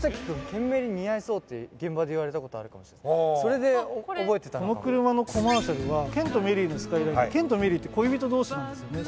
ケンメリ似合いそう」って現場で言われたことあるかもそれで覚えてたのかもこの車のコマーシャルは「ケンとメリーのスカイライン」ケンとメリーって恋人同士なんですよね